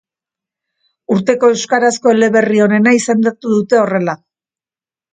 Urteko euskarazko eleberri onena izendatu dute horrela.